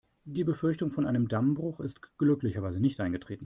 Die Befürchtung vor einem Dammbruch ist glücklicherweise nicht eingetreten.